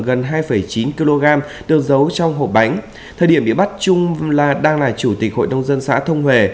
gần hai chín kg được giấu trong hộp bánh thời điểm bị bắt trung đang là chủ tịch hội đông dân xã thông hề